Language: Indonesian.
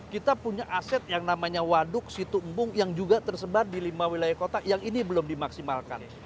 kita punya aset yang namanya waduk situmbung yang juga tersebar di lima wilayah kota yang ini belum dimaksimalkan